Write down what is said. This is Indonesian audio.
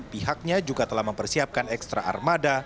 pihaknya juga telah mempersiapkan ekstra armada